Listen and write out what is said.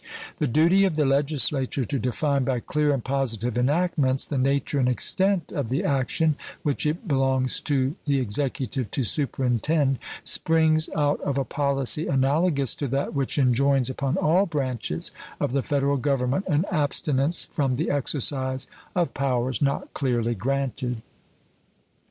The duty of the Legislature to define, by clear and positive enactments, the nature and extent of the action which it belongs to the Executive to superintend springs out of a policy analogous to that which enjoins upon all branches of the Federal Government an abstinence from the exercise of powers not clearly granted.